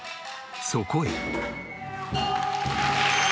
そこへ。